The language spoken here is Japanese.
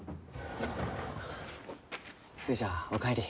寿恵ちゃんお帰り。